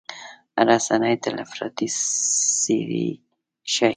رسنۍ تل افراطي څېرې ښيي.